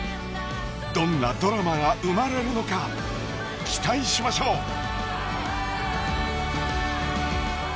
どんなドラマが生まれるのか期待しましょう！